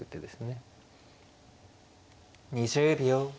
２０秒。